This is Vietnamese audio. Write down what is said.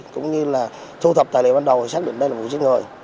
cũng như thu thập tài liệu ban đầu xác định đây là vụ giết người